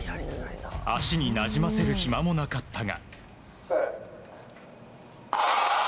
足になじませる暇もなかったが。